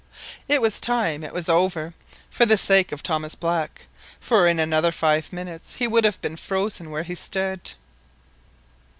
It was time it was over, for the sake of Thomas Black, for in another five minutes he would have been frozen where he stood